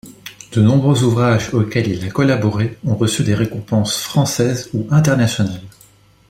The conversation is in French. De nombreux ouvrages auxquels il a collaboré ont reçu des récompenses françaises ou internationales.